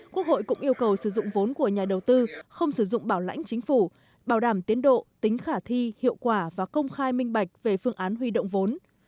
quốc hội cũng yêu cầu sử dụng vốn của nhà đầu tư không sử dụng bảo lãnh chính phủ bảo đảm tiến độ tính khả thi hiệu quả và công khai minh bạch về phương án huy động vốn